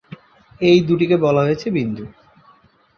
এই দুটিকে বলা হয়েছে ‘বিন্দু’।